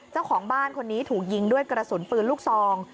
เจ้าของบ้านคนนี้ถูกยิงด้วยกระสุนปืนลูกซอง